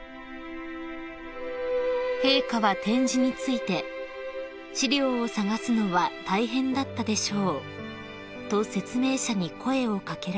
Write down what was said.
［陛下は展示について「資料を探すのは大変だったでしょう」と説明者に声を掛けられ］